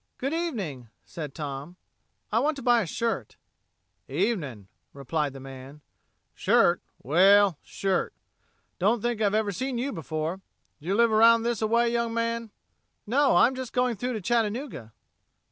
"Good evening," said Tom. "I want to buy a shirt." "Evenin'," replied the man. "Shirt? Well.... Shirt? Don't think I've ever seen you before. D'you live around this a way, young man?" "No, I'm just going through to Chattanooga."